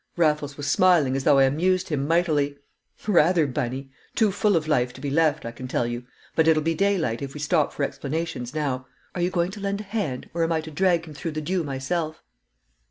Raffles was smiling as though I amused him mightily. "Rather, Bunny! Too full of life to be left, I can tell you; but it'll be daylight if we stop for explanations now. Are you going to lend a hand, or am I to drag him through the dew myself?"